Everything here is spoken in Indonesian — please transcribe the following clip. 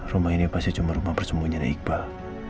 rumah ini pasti cuma rumah persembunyiannya iqbal